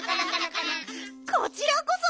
こちらこそ！